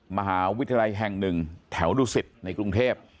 มหาวิทยาลัยแห่งหนึ่งแถวดุสิตในกรุงเทพ